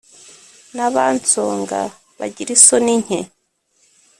n'abansonga bagira isoni nke.